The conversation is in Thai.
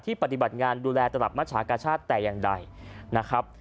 ปฏิบัติงานดูแลตลับมัชชากาชาติแต่อย่างใดนะครับ